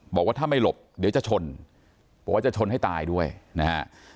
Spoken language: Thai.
บอกว่าถ้าไม่หลบเดี๋ยวจะชนบอกว่าจะชนให้ตายด้วยนะฮะ